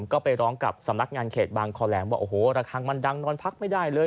ก็ไปร้องกับสำนักงานเขตบางคอแหลมว่าโอ้โหระคังมันดังนอนพักไม่ได้เลย